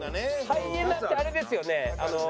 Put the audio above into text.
ハイエナってあれですよね？